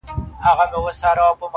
چنار دي ماته پېغور نه راکوي-